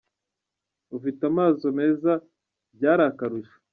Ufite amaso meza bya ari akarusho.